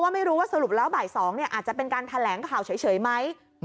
ไม่รู้ว่าสรุปแล้วบ่าย๒อาจจะเป็นการแถลงข่าวเฉยไหม